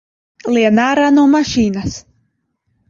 Lien ārā no mašīnas!